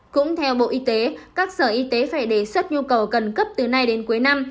cũng theo bộ y tế các sở y tế phải đề xuất nhu cầu cần cấp từ nay đến cuối năm